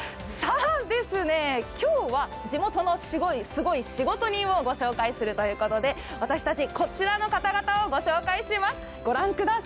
今日は地元のすごい仕事人をご紹介するということで、私たち、こちらの方々を御紹介します。